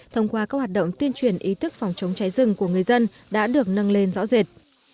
thông qua các hoạt động tuyên truyền ý thức phòng chống cháy rừng của người dân đã được nâng lên rõ rệt